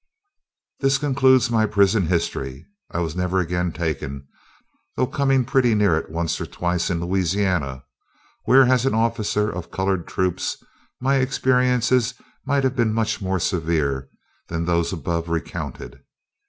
This concludes my prison history. I was never again taken, though coming pretty near it once or twice in Louisiana, where, as an officer of colored troops, my experiences might have been much more severe than those above recounted.